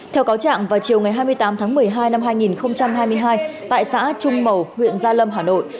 theo cáo trạng vào chiều ngày hai mươi tám tháng một mươi hai năm hai nghìn hai mươi hai tại xã trung mầu huyện gia lâm hà nội